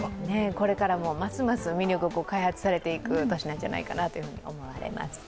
これからもますます魅力が開発されていく都市なんじゃないかと思います。